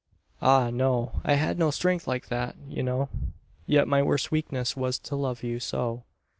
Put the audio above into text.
Ah, no I had no strength like that, you know; Yet my worst weakness was to love you so!